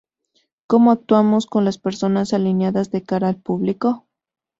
¿cómo actuamos con las personas alienadas de cara al público?